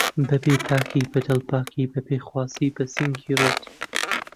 بەبێ باکی، بەدڵپاکی، بەپێخواسی بەسینگی ڕووت